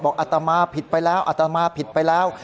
อัตมาผิดไปแล้วอัตมาผิดไปแล้ว